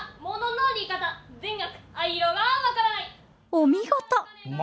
お見事！